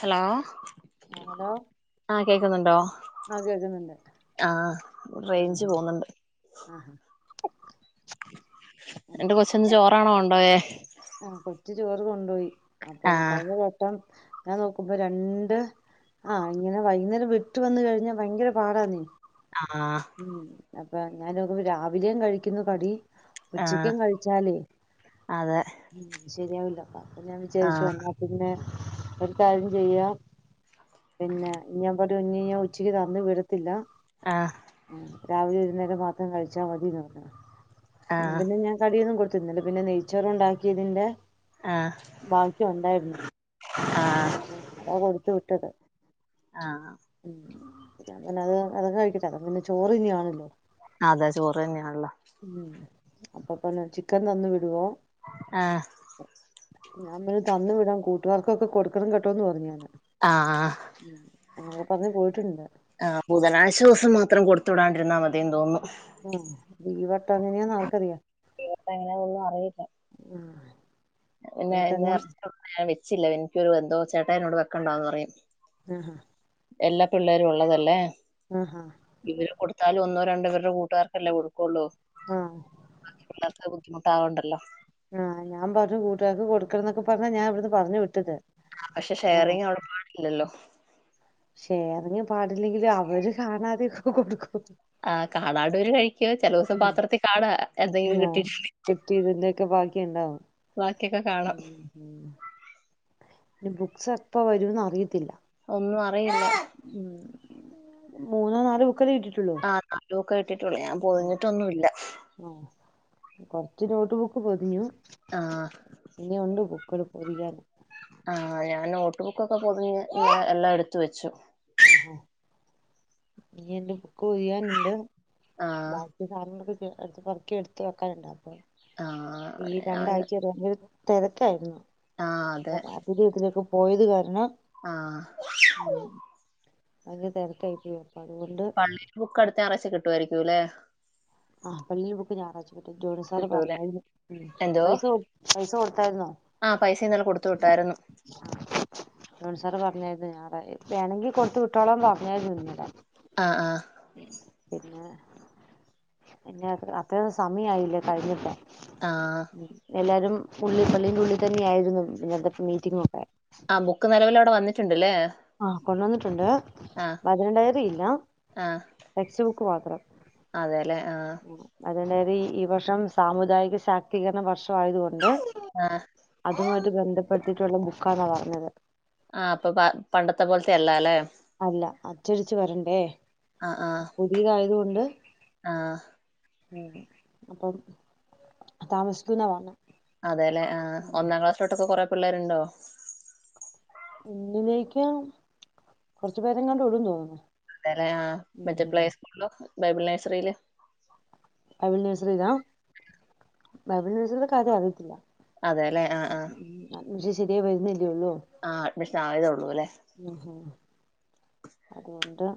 Hello ആഹ് hello ആ കേക്കുന്നുണ്ടോ ആഹ് കേൾക്കുന്നുണ്ട് ആ റേഞ്ച് ആഹ് പോന്നുണ്ട് ആഹ് എന്റെ കൊച്ചു ഇന്ന് ചോ ട്ടാണോ കൊണ്ടുപോയെ ആഹ് കൊ [unintelligible] ചോറ് കൊണ്ടുപോയി. അപ്പം ആഹ് കഴിഞ്ഞവട്ടം. ഞാൻ നോക്കുമ്പോൾ രണ്ട് ആഹ് ഇങ്ങനെ വൈകുന്നേരം വിട്ട് വന്ന കഴിഞ്ഞാ ഭയങ്കര പാടാന്നെ ആഹ് ആ അപ്പൊ ഞാൻ നോക്കുമ്പോൾ രാവിലെയും കഴിക്കുന്നു കടി. ഉച്ചക്കും ആഹ് കഴിച്ചാലേ. അതെ ശരിയാവില്ല. അപ്പൊ ഞാൻ വിചാരിച്ചു ആഹ് എന്നാപ്പിന്നെ. ഒരു കാര്യം ചെയ്യാം പിന്നെ ഞാൻ പറഞ്ഞു ഇനി ഞാൻ ഉച്ചക്ക് തന്ന് വിടത്തില്ല. ആഹ് ഉം രാവിലെ ഒരു നേരം മാത്രം കഴിച്ചാൽ മതിയെന്നു വെക്കണം. എന്ന ആഹ് പിന്നെ ഞാൻ കടിയൊന്നും കൊ ഇന്നലെ പിന്നെ നെയ്ച്ചോർ ഉണ്ടാ ക്കിയതിന്റെ ആഹ് ബാക്കി ഉണ്ടായിരുന്നു ആഹ് അതാ കൊടുത്തു വിട്ടത്. ആഹ് ആ ഉം പിന്നെ അത് അതൊക്കെ കഴിക്കട്ടെ അത് പിന്നെ ചോറ് തന്നെയാണല്ലോ. അതാ ചോറ് തന്നെയാനുള്ള. ഉം അപ്പപ്പായെന്നു വെച്ച് ചിക്കൻ തന്നു വിടുവേ. ആ ഞാൻ തന്നു വിടാൻ കൂട്ടുകാർക്കൊക്കെ കൊടുക്കണം കേട്ടോന്ന് പറഞ്ഞാന് ആഹ അങ്ങന പറഞ് പോയിട്ടുണ്ട് ആ ബുധനാശ്വാസം മാത്രം കൊടുത്തുടാണ്ടിരുന്നാൽ മതിേം തോന്നും ആ ബീ വട്ട അങ്ങനെയാ നാൽക്കറിയ ഇവിടെ എങ്ങനെ ഒന്നും അറിയില്ല ആ പിന്നെ [unintelligible] ച്ചില്ല എനിക്കൊരു എന്തോ ചേട്ടാ എന്നോട് വെക്കണ്ടാന്ന് പറയും ആഹ ഹഹ എല്ലാ പിള്ളേരും ഉള്ളതല്ലേ ആഹ ഹഹ കൊടുത്താല ഒന്നോ രണ്ടോരുടെ കൂട്ടുകാർക്കല്ലാം കൊടും കൊള്ളു ആഹ് ബുദ്ധിമുട്ടാവുകണ്ടോ ആഹ് ഞാൻ പറഞ്ഞു കൂട്ടുകാക്ക് കൊടുക്കണം എന്നൊക്കെ പറഞ്ഞ ഞാൻ ഇവിടുന്ന് പറഞ്ഞു വിട്ടത് ആ പക്ഷെ ആഹ് ഷെയറിങ്ങ് അവിടെ പാടില്ലല്ലോ ഷെയറിങ് പാടില്ലെങ്കിലും അവര് കാണാതെ ഒ കൊടുക്കും ആ കാളാഡോര് കഴിക്കോ ചെലോസം ഉം പാത്രത്തി കാടാ എന്തെങ്കിലും ആഹ് കിട്ടിട് കിട്ടിയതിന്റെയൊക്കെ ബാക്കി ഉണ്ടാവും ബാക്കിയൊക്കെ കാണാം ഇനി ബുക്സ് എപ്പ വരുംന്ന് അറിയത്തില്ല ഒന്നു അ റിയില്ല [unintelligible] ആഹ് നാലും ഒക്കെ ഇട്ടിട്ടുള്ളൂ ഞാൻ പോതിഞ്ഞിട്ടൊന്നുമില്ല ആഹ് കൊറച്ച് നോട്ട് ബുക്ക് പൊതിഞ്ഞു ആ ഇനി ഉണ്ട് പു [unintelligible] പൊതിയാന് ആഹ്‌ ഞാ നോട്ട് ബുക്കൊക്കെ പൊതിഞ്ഞ് എല്ലാം എടുത്ത് വെച്ചു ആഹാ നീ എന്റെ ബു ക്കൊതിയാനുണ്ട് ആ ബാക്കി സാധങ്ങളൊക്കെ അടുത്ത് പറക്കി എടുത്ത് വെക്കാനുണ്ട് അപ്പൊ ആ ഈ ഞാൻ രണ്ടാഴ്ച [unintelligible] തെരക്കായിരുന്നു ആ [unintelligible] പോയത് കാരണം ആഹ് അതെ തരക്കായി പോ പള്ളിലെ ബുക്കടുത്ത ഞാറാഴ്ച്ച കിട്ടുവാരിക്കും ട്ടൂലെ ആഹ് പള്ളി ബുക്ക് ഞായറാഴ്ച്ചിട്ടും ജോണിസാറ് കിട്ടൂല പറഞ്ഞാരുന്നു എന്തോ പൈസ പൈസ കൊടുത്താരുന്നോ ആ പൈസ ഇന്നലെ കൊടുത്തു വിട്ടായിരുന്നു ജോണിസാറ് പറ പറഞ്ഞാരുന്നു ഞാ വേണെങ്കി കൊടുത്തു വിട്ടോളാ പറഞ്ഞാരുന്നു ന്നലെ ആഹ് ആഹ് പിന്നെ അത്രെ സമയായില്ലേ കഴിഞ്ഞിട്ടെ ആ എല്ലാരും പുള്ളി പള്ളിൻ്റെുള്ളിൽ തന്നാരുന്നു ഇന്നലത്തെ മീറ്റിങ്ങൊക്കെ ആഹ് ബുക്ക് നിലവിലടെ വന്നി ടുണ്ടല്ലേ ആഹ് കൊണ്ടുവന്നിട്ടുണ്ട് വചനഡയറി ഇല്ല ടെക്സ്റ്റ് ബുക്ക് കുമാത്രം അതെ ല്ലെ ആഹ് അതായത് ഇ ഈ വർഷം സാമുദായിക ശാക്തീകരണ വർഷം വായതുകൊണ്ട് ആ അതുമായിട്ട് ബന്ധപ്പെടുത്തിട്ടുള്ള ക്കാന്ന പറഞ്ഞത് ആ അപ്പൊ പ പണ്ടത്തെ പോലത്തെ അല്ല ല്ലേ അല്ല അച്ചടിച്ച് വരണ്ടേ ആഹ് ആഹ് പുതിയതായത് കൊണ്ട് ആഹ് ഉം അപ്പം താമസിക്കൂന്ന പറഞ്ഞ അതേല്ലെ ഒന്നാം ക്ലാസ്സിലോട്ടൊക്കെ കൊറെ പിള്ളേരുണ്ടോ ഒന്നിലേക്ക് കൊറച്ചു പേരെങ്ങാണ്ടൊള്ളുന്ന് തോന്നുന്നു അതേല്ലെ ആ മറ്റെ ഉം പ്ലേസ്കൂളിലൊ ബൈബിൾ നഴ്സറീല് ബൈബിൾ നഴ്സറിലാ ബൈബിൾ നഴ്സറിലെ കാര്യം അറിയത്തില്ല അതേല്ലെ ആഹ് ആഹ് മീശെ ശരിയായിവരുന്നി യൊള്ളു ആഹ് അഡ്മിഷൻ ആയതേ ഉള്ളൂ അല്ലെ അറിയത്തില്ല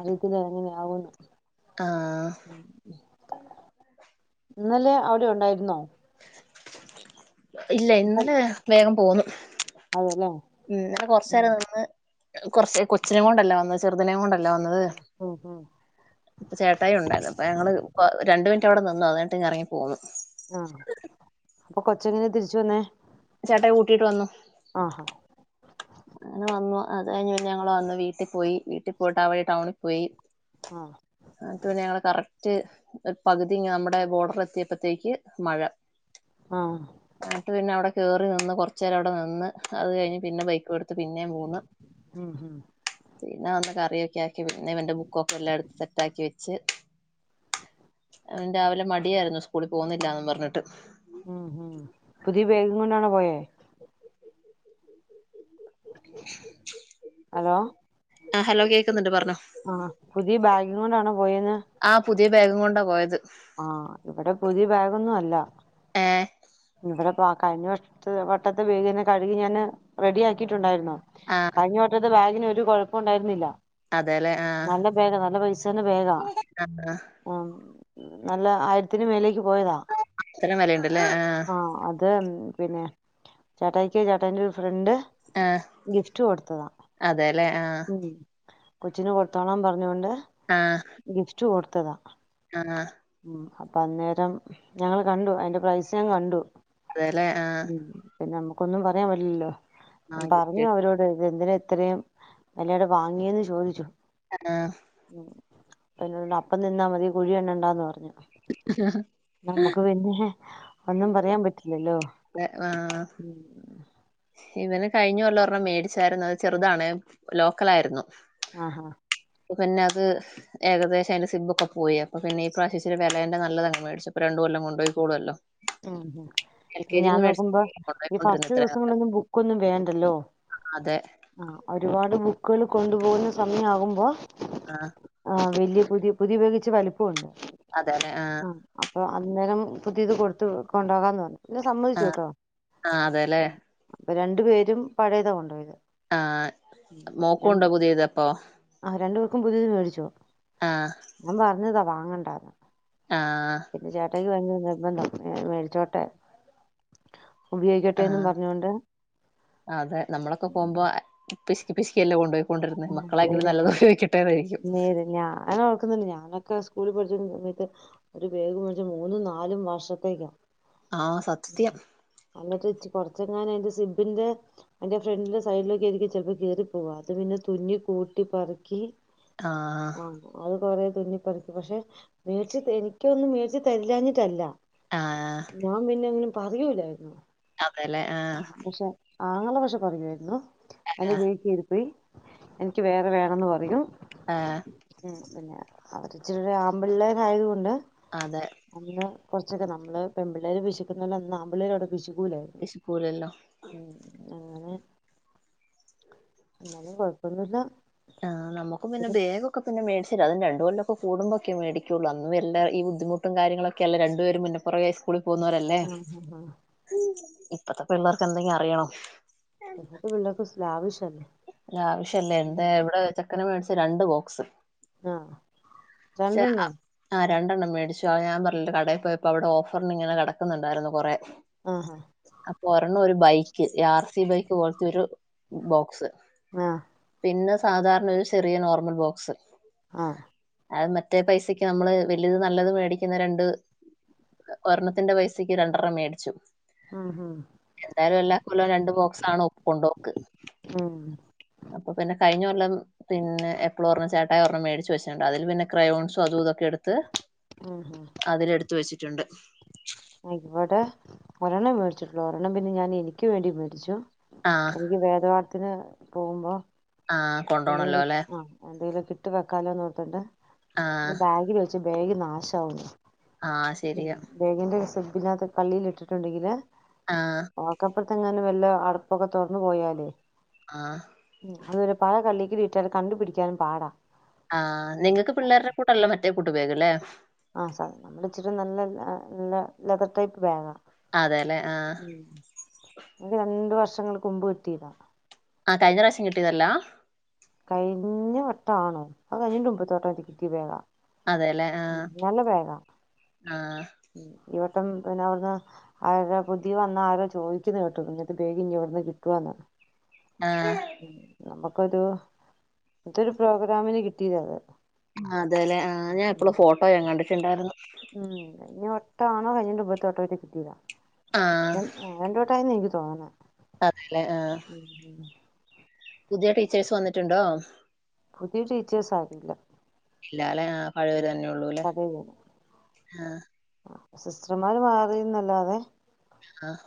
അതെങ്ങനെ ആവുന്ന് ആ ഇന്നലെ അവിടെ ഉണ്ടായിരുന്നോ ഇല്ല ഇപ്പം ഇന്നലെ വേഗം പോുന്നു അതെല്ലേ ഉം അ കൊറച്ച ഉം നേേരം നിന്ന് കുറച്ച് കൊച്ചിനെ കൊണ്ടല്ല വന്ന ചെറുതിനേും കൊണ്ട ലെ വന്നത് ഉം ഉം ചേട്ടായി ഉണ്ടായിരുന്നു അപ്പോ ഞങൾ രണ്ടു മിനിറ്റ് അവിടെ നിന്ന് അന്നട്ട ഇറങ്ങിപ്പോകുന്നു ആ അപ്പ കൊച്ച എങ്ങനെ തിരിച്ചു വന്നേ ചേട്ട കൂട്ടിട്ട് വന്നു ആഹാ അങ്ങനെ വന്നു അത് കഴിഞ്ഞ ഞങ്ങള്ൾ വന്നു വീട്ടിൽ പോയി വീട്ടിൽ പോയിട്ട് അവഴി ടൗണിൽ പോയി ആ മറ്റപന്നെ ഞങ്ങളെ കറക്റ്റ് പകുതി നമ്മുടെ ബോർഡർ എത്തിയപ്പോത്തേക്ക് മഴ ആ എന്നിട്ട് പിന്നെ അവിടെ കയറി നിന്ന് കുറച്ച്ു നേരം അവിടെ നിന്ന് അത് കഴിഞ്ഞ് പിന്നെ ബൈക്ക് കൊടുത്ത് പിന്നെ മൂണ് ഉം ഉം പിന്നെ അന്ത കറിയൊക്കെ ആക്കി പിന്നെവന്റെ ബുക്കെ എല്ലാം എടുത്ത് സെറ്റ ആാക്കി വെച്ച് രാവിലെ മടിയായിരുന്നു സ്കൂളിൽ പോകുന്നില്ലന്ന് പറഞ്ഞിട്ട് ഉം ഹം പുതിയ വേഗം കൊണ്ടാണ് പോയേ ഹലോ ആ ഹലോ കേൾക്കുന്നുണ്ട് പറഞ്ഞു ആ പുതിീ ബാ മോനാണോ പോയന്ന ആ പുതിയ വേഗം കൊണ്ടാണ് പോയത് ആ ഇവിടെ പുതിയ ബാഗൊന്നും അല്ല ആ ഇവിടെ കഴിഞ്ഞ വ വട്ടത്തെ വേഗന്നെ കഴുകി ഞാാന് റെഡി ആാക്കിയിട്ടുണ്ടായിരുന്നോ ആ കഴിഞ്ഞ വട്ടത്ത് ബാഗിന് കുഴപ്പം ഉണ്ടായിരുന്നില്ല അതെല്ലേ ആ നല്ല വേഗം നല്ല പൈസന്ന വേഗം ആ നല്ല ആയിരത്തിന് മേലേക്ക് അത്ര വിലുണ്ടല്ലേ ആഹ അത പിന്നെ ചേട്ടക്ക് ചേട്ടാന്റെ ഫ്രണ്ട് ആ ഗിഫ്റ്റ് കൊടുത്തതാ അതെല്ലേ ആ ഉ കൊച്ചിന് കൊടുത്തോണം പറഞ്ഞുകൊണ്ട് ആ ഗിഫ്റ്റ കൊട് ത്തതാ ആ അപ്പൊ അന്നേരം ഞങ്ങള് കണ്ടു അതിന്റെ പ്രൈസ് ഞാൻ കണ്ടു അതേല്ലേ ആഹ ഉം പിന്നെ നമക്കൊന്നും പറയാൻ പറ്റില്ലല്ലോ ആ പറഞ്ഞു ഗിഫ്റ്റ് അവരോട് ഇതെന്തിനി എത്രയും നല്ലടെ വാങ്ങിയന്ന് ചോദിച്ചു ആഹ പിനണ്ട് അപ്പം നിന്നാ മതി കുഴി എണ്ണ ഉണ്ടാന്ന് പറ ഞ്ഞു നമുക്ക് പിന്നെ ഒന്നും പറയാൻ പറ്റി ല്ലല്ലോ ആ ഉം ഇവന് കഴിഞ്ഞല്ലോം രെണ്ണം മേടിച്ചായിരുന്നു അത് ചെറുതാണ് ലോക്കലായിരുന്നു ആഹ ഹ പിന്നെ അത് ഏകദേശം അയിന്റെ സിബൊക്കെ പോയി അപ്പ പിന്നെ ഈ പ്രവശ്യച്ചിരി വെലേന്റെ നല്ലത അങ് മേടിച്ചുപ്പൊ രണ്ടും കൊല്ലം കൊണ്ടുപോയി കൊളുല്ലോ ഉം ഞാൻ നോക്കുമ്പോ ഈ കൊണ്ടുപോയിക്കൊണ്ടിരുന്നു ഫസ്റ്റ് ഇത്രയും ദിവസം കാലം [unintelligible] ബുക്കൊന്നും വേണ്ടല്ലൊ അതെ ആ ഒരുപാട് ബുക്ക്ല് കൊണ്ടു പോകുന്ന സമയമാകുമ്പോ ആഹ വലിയ പുതിയ പുതിയ ബാഗിച്ചിരി വലിപ്പ ഉണ്ട് അതെ അതെ ആഹ അപ്പൊ അന്നേരം പുതിയത് കൊടു ത്തു കൊണ്ടപകാൻ പോന്നു ആഹ ആ അതെല്ലേ ഇപ്പ രണ്ടു പേരും പഴയതാ കൊണ്ടോയത് ആഹ മോക്കുണ്ടോ പുതിയത് അപ്പൊ ആ രണ്ടു ബുക്കും പുതിയത് മേടിച്ചു ഞാൻ പറഞ്ഞതാ വാങ്ങണ്ടാ ആഹ് എനിക്ക് ഭയങ്കര നിർബന്ധം ഏ മേടിച്ചോട്ടെ ഉപയോഗിക്കട്ടെന്നും ആഹ പറഞ്ഞോണ്ട് അതെ നമ്മളൊക്കെ പോകുമ്പോ പിശ്കി പിശ്ക്കില്ലാം കൊണ്ടോയോ നേര് ഞാൻ ഓർക്കുന്നുണ്ട് ഞാന് ഞാ സ്കൂളി പഠിച്ചോണ്ടിരുന്ന സമയത്ത് ഒരു ബാഗ് മേടിച്ച മൂന്നും നാലും വർഷത്തേക്കാ ആ സത്യം കൊറച്ചെങ്ങാനുംഅയിന്റെ സിബിന്റെ അയിന്റെ ഫ്രണ്ടിന്റെ സൈഡിലൊക്കെയിരിക്കും ചിലപ്പോൾ കീറി പോവുക അത് പിന്നെ തുന്നി കൂട്ടി പറക്കി ആ ആ അത് കൊറെ തുന്നിപ്പറിക്ക പക്ഷെ മേടിച്ച് എനിക്കൊന്നും മേടിച്ച് തരില്ലാഞ്ഞിട്ടല്ല ആ ഞാ പിന്നെങ്ങനെമ് പറയൂലായിരുന്നോ അതെല്ലേ ആ ആങ്ങള പക്ഷെ പറയുവായിരുന്നു അതിന് വീട്ടിലിരിപ്പി എനിക്ക് വേറെ വേണന്ന് പറയും. ആ ഉം പിന്നെ അവർ ഇച്ചിരി ഒരു ആമ്പിള്ളേരായത് കൊണ്ട് ആതെ കുറച്ചൊക്കെ നമ്മള് പെമ്പിള്ളേര് പിശുക്കുന്നലൊ ആമ്പിള്ളേര് അവിടെ പിശു പുവൂലായി വിശക്കൂലല്ലോ അങ്ങനെ എന്നാലും കൊഴപ്പൊന്നൂമില്ല ആ നമുക്ക് പിന്നെ ബേഗ് ഒക്കെ പിന്നെ മേടിച്ച് തിന് അത് രണ്ടു കൊല്ലൊക്കെ കൂടുമ്പോഴക്കെമേടിക്കുള്ളു അന്ന് എല്ലാ ഈ ബുദ്ധിമുട്ടും കാര്യങ്ങളൊക്കെയല്ലേ രണ്ടുപേരും മുന്നപ്പുറകേ സ്കൂളിൽ പോവുന്നോരല്ലേ ആഹ് ആഹ് മ് ഇപ്പത്തെ പിള്ളേർക്ക് എന്തെങ്കിലും അറിയണോ ഇപ്പഴത്തെ പിള്ളാർക്ക് ലാവിഷ് ലാവിഷ് അല്ലേ എന്താ എവിടെ ചെക്കന് മേടിച്ച് ഇത് രണ്ട് ബോക്സ് ആ പക്ഷെ രണ്ടെണ്ണോ ആഹ് രണ്ടെണ്ണം മേടിച്ചു ആ ഞാൻ പറഞ്ഞില്ലേ കടയിപ്പോയപ്പോ അവിടെ ഓഫറിനിങ്ങനെ കിടക്കുന്നുണ്ടായിരുന്നു കുറെ ആ ആ അപ്പൊ ഒരെണ്ണം ഒരു ബൈക്ക് ഈ ആർ സി ബൈക്ക് പോലത്തെ ഒരു ബോക്സ് ആ ഇന്ന് സാധാരണ ഒരു ചെറിയ നോർമൽ ബോക്സ് ആഹ അത് മറ്റേ പൈസയ്ക്ക് നമ്മള് വലിയ നല്ലത് മേടിക്കുന്ന രണ്ട് ഒരെണ്ണത്തിന്റെ പൈസയ്ക്ക് രണ്ടെണ്ണം മേടിച്ചു ആഹ് എന്താലും എല്ലാം കൊല്ലം രണ്ടു ബോക്സ ആണോപ്പ് കൊണ്ടോക്ക് ഉം ഉം അപ്പൊ പിന്നെ കഴിഞ്ഞ കൊല്ലം പിന്നെ എപ്പളൊ ഓരെണം ചേട്ടായി ഒരെണ്ണം മേടിച്ച് വെച്ചിട്ടുണ്ട് അതില് പിന്നെ ക്രയോൺസും അതും ഇതൊക്കെ എടുത്ത് ഉം ഉം ത്ത് വെച്ചിട്ടുണ്ട് ഇവിടെ ഒരെണ്ണം മേടിച്ചിട്ടുള്ളു ഒരെണ്ണം പിന്നെ ഞാൻ എനിക്ക് വേണ്ടി മേടിച്ചു ആ, എനിക്ക് വേദവാ അതിന് പോകുമ്പോ ആ എന്തെനു കൊണ്ടോണല്ലോ അല്ലേ? ആ എന്തെലൊക്കേ കി വെക്കാലൊന്നോർത്തിട്ട് ആ, ബാഗി വച്ച ബേഗ് നാശാകുന്നു ആ ഉ ശരിയാ. ബേഗിന്റെ നകത്ത് കള്ളിൽ ഇട്ടിട്ടുണ്ടെങ്കില് ആ, ഓക്കെപ്പടുത്തങ്ങ വല്ല അടുപ്പൊക്കെ തുറന്നു പോയാലേ ആഹ് അത്പിന്നെ പഴ കള്ളിക്ക് കീട്ടാൽ കണ്ടു പിടിക്കാനും പാടാ ആഹ് നിങ്ങക്ക് പിള്ളേര്ടെ കൂടല്ലേ മറ്റ കൂട്ടു പേകല്ലേ ആ സാധ നമ്മൾച്ചിരി നല്ല ല്ല ലെതർ ടൈപ്പ് ബാഗാ അതേല്ലേ. ആ, രണ്ടു വർഷം വങ്ങൾ കൊമ്പ് വെട്ടീതാ കഴിഞ്ഞറാശ്യം കിട്ടിയതല്ലാ കൈ ഞ്ഞ വട്ടാണോ അത് കഴഞ്ഞന്റമുമ്പ്തട്ടം കിട്ടിയ ബാക അതേലെ ആ ആ ഇവട്ടം പിന്നെ അവിടുന്ന് ആ പുതിയ വന്ന ആരോ ചോദിക്കുന്നേട്ടു ഇന്നത്തെ ബേഗ്ഞ്ഞി ഇവിടുന്ന് കിട്ടോന്ന് ആ ഉം നമ്മ കൊതു ഇതൊരു പ്രോഗ്രാമിന് കിട്ടിയത ത് ആ അതെലേ ആഹ് ഞാൻ എപ്പളോ ഫോട്ടോ ഞാൻ കണ്ടിട്ട്ണ്ട ഉം കഴിഞ്ഞ വ വട്ടാണോ അതിന്റെ മുമ്പത്തെ വട്ടോറ്റേ കിട്ടീതാ രൻ രണ്ടോട്ടായീന്ന് [unintelligible] തോന അതേലെ ആ പുതിയ ടീച്ചേഴ്സ് വന്നിട്ടിണ്ടോ പുതിയ ടീച്ചേഴ്സ് ആരുല്ല ഇല്ല ല്ലെ ആ പഴവരെ ഇല്ല തന്നെള്ളൂല്ലേ പഴയവര് ആ സിസ്റ്റർമാര് മാറിന്നല്ലാതെ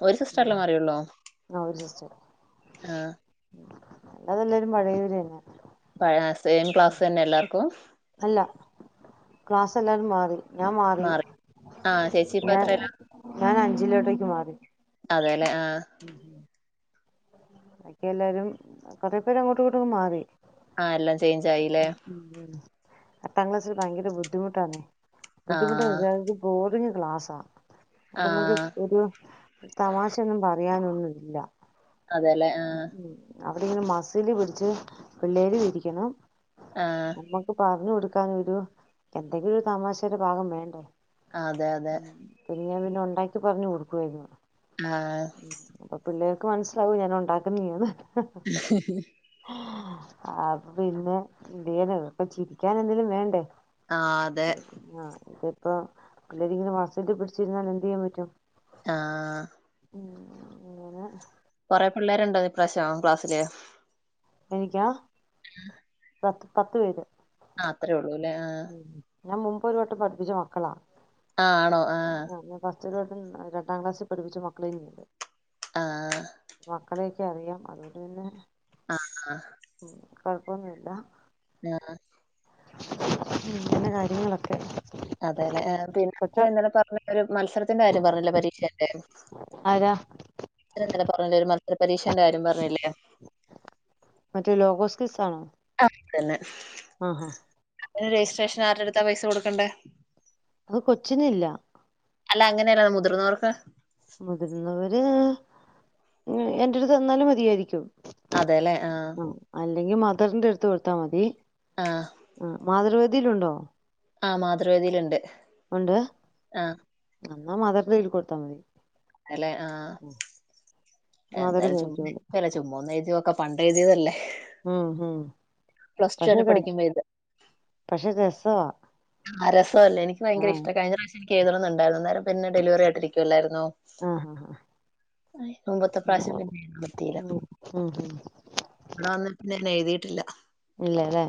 ഒരു സിസ്റ്റർ അല്ലെ മാറിയുള്ളു ആ ഒരു സിസ്റ്റർ അതെല്ലാരും മഴയുരേന പഴാ സേം ക്ലാസ് തന്നെ എല്ലാർക്കും അല്ല ക്ലാസ് എല്ലാരും മാറി ഞാൻ മാറി ആഹ് ചേച്ചി ഇപ്പ ഞൻ എത്രേലാ ഞാൻ അഞ്ചിലോട്ടേക്ക് മാറി അല്ലെ ആ അക്കെ എല്ലാരും കൊറെ പേര് അങ്ങോട്ടും ഇങ്ങോട്ടും മാറി ആ എല്ലാം ചേഞ്ച് ആയില്ലേ അട്ടാം ക്ലാസ്സിൽ ഭയങ്കര ബുദ്ധിമുട്ടാണ് ആഹ് ബുദ്ധിമുട്ടാണ്ക്ക് ബോറിങ്ങും ക്ലാസാ ത് നമുക്ക് ആഹ് ഒരു തമാശയൊന്നും പറയാനൊന്നും ഇല്ല അതെല്ലെ ആഹ് ഉം അവിടെങ്ങനെ മസില് പിടിച്ച് പിള്ളേര് ഇരിക്കണം ആഹ് നമ്മക്ക് പറഞ്ഞു കൊടുക്ക എന്തെങ്കിലും ഒരു തമാശയുടെ ഭാഗം വേണ്ടേ അതെ അതെ ഉം പിന്നെ ഞാൻ പിന്നെ ഉണ്ടാക്കി പറഞ് കൊടുക്കുവായിരുന്നു ആഹ് അപ്പൊ പിന്നെ ക്ക് മനസ്സിലാവ് [unintelligible] ടാക്കന [unintelligible] ആ അപ്പൊ പിന്നെ ഇടന ഇപ്പൊ ചിരിക്കാൻ എന്തേലും വേണ്ടേ ആ അതെ ഇപ്പൊ പിള്ളേരിങ്കിലും മാസില് പിടിച്ചിരുന്നാൽ എന്ത് ചെയ്യാൻ പറ്റും ആ അങ്ങനെ കൊറെേ പിള്ളേരുണ്ടോ ഇപ്രാവശ്യം ക്ലാസ്സില് എനിക്കാ. ഉം. പത്ത് പത്ത് പേര്. അത്രേ ഉ കുലെ ആഹ്. ഉം ഞാൻ മുമ്പ് ഒരു വട്ടം പഠിപ്പിച്ച മക്കളാ ആഹ് ആണോ ആഹ്. ഒരുവട്ടം രണ്ടാം ക്ലാസ്സിൽ പഠപ്പിച്ച മക്കളെയ നീണ്ട്. നോക്ക. ആഹ് മക്കളെയൊക്കെ അറിയാം അതുകൊണ്ടു പിന്നെ ആഹ് ആഹ. കോഴപ്പൊന്നുല്ല. ആഹ്. ഇങ്ങനെ കാര്യങ്ങളൊക്കെ. അതെല്ലേ ആ പിന്നെ കൊച്ച [unintelligible] ഇന്നലെ പറഞ്ഞ ഒരു മത്സരത്തിന്റെ കാര്യം പറഞ്ഞില്ലേ പരീക്ഷന്റെ [unintelligible] ആരാ ഇന്നലെ പറഞ്ഞില്ലെ ഒരു മത്സര പരീക്ഷന്റെ കാര്യം പറഞ്ഞില്ലേ ക്സണോ [unintelligible] [unintelligible] തന്നെ ആഹ് ഹ അന് രജിസ്ട്രേഷൻ ആറ്ടെ അടുത്താ പൈസ കൊടുക്കണ്ടേ അത് കൊച്ചിനില്ല അല്ല അങ്ങനെല്ല മുതിർന്നവർക്ക് മുതിർന്നവര് എന്റെ ടുത്ത് തന്നാലും മതിയാരിക്കും അതെല്ലേ ആ അല്ലെങ്കിൽ മദറിന്റെ അടുത്ത് കൊടുത്താ മതി ആഹ്. ആ മാതൃവ ഇതിലുണ്ടോ ആ മാതൃവേദിലുണ്ട് ഉണ്ട് അന്നാ മാതർന്റെ കൈ കൊടുത്താ മതി അല്ലെ ആ മദർ എന്താലും ചുമ്മാ മേടിച്ചോളും ഇക്കുല്ലേ ചുമ്മാ ഒന്നെഴു ഇതൊക്കെ പണ്ടെഴുതിതല്ലേ മ്മ് മ്മ് പക്ഷേ വരെ പഠിക്കുമ്പോ എഴുതാ. പക്ഷേ രസവാ ആര [unintelligible] അല്ലെ നിക്ക് ആ ഭയങ്ക ഇഷ്ടവാ കഴിഞ്ഞ പ്രാവശ എഴുതണുന്നുണ്ടായിരുന്നു അന്നേ നേരം പിന്നെ ഡെലിവറി ആയിട്ടിരിക്കുവല്ലായിരുന്നു ആ ഹേ മുമ്പത്തെ പ്രാവശ്യം ആ പിന്നെ എഴുതാ പറ്റീല ഉം ഉം ഇവിടെ വന്നെ പിന്നെ ഇന്നെഴുതീട്ടില്ല ഇല്ലലേ